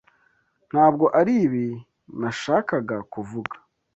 Ntabwo aribi nashakaga kuvuga.